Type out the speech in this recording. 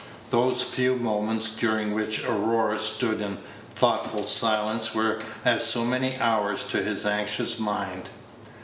Those few moments during which Aurora stood in thoughtful silence were as so many hours to his anxious mind.